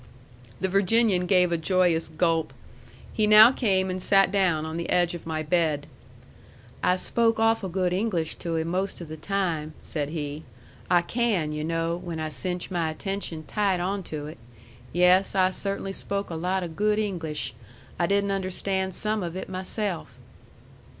The Virginian gave a joyous gulp. He now came and sat down on the edge of my bed. "I spoke awful good English to him most of the time," said he. "I can, yu' know, when I cinch my attention tight on to it. Yes, I cert'nly spoke a lot o' good English. I didn't understand some of it myself!"